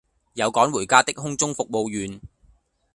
有趕回家的空中服務員